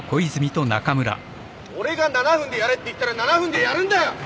俺が７分でやれって言ったら７分でやるんだよ！